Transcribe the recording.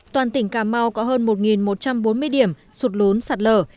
toàn tỉnh cà mau có hơn một một trăm bốn mươi điểm sụt lún sạt lở